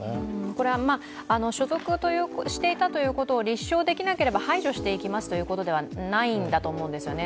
これは所属していたということを立証できなければ排除していきますということではないんだと思うんですね。